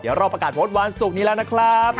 เดี๋ยวเราประกาศผลวันศุกร์นี้แล้วนะครับ